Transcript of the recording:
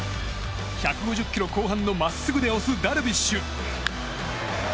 １５０キロ後半のまっすぐで押すダルビッシュ。